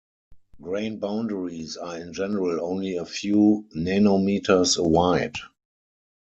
Grain boundaries are in general only a few nanometers wide.